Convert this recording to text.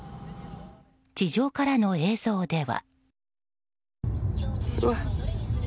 地上からの映像では。